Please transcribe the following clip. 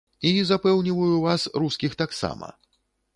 І, запэўніваю вас, рускіх таксама.